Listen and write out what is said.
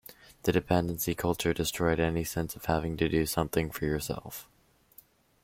The dependency culture destroyed any sense of having to do something for yourself.